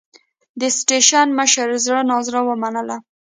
د سټېشن مشر زړه نازړه ومنله.